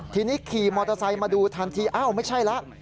ทีนี้ขี่มอเตอร์ไซค์มาดูทันทีอ้าวไม่ใช่แล้ว